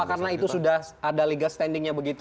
karena itu sudah ada legal standingnya begitu